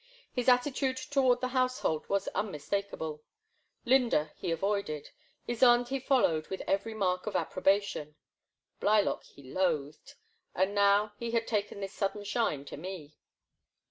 His attitude toward the household was unmistakable. Lynda he avoided, Ysonde he followed with every mark of approbation, Blylock he loathed, and now, he had taken this sudden shine to me.